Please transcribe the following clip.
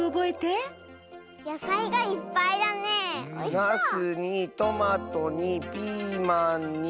ナスにトマトにピーマンに。